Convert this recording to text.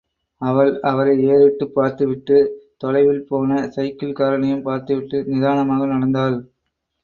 அவள், அவரை ஏறிட்டுப் பார்த்துவிட்டு, தொலைவில்போன சைக்கிள் காரனையும் பார்த்துவிட்டு நிதானமாக நடந்தாள்.